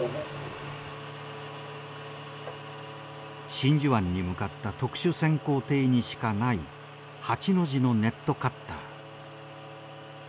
真珠湾に向かった特殊潜航艇にしかない８の字のネットカッター。